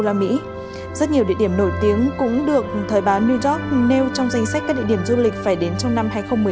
rất nhiều địa điểm nổi tiếng cũng được thời báo new york nêu trong danh sách các địa điểm du lịch phải đến trong năm hai nghìn một mươi tám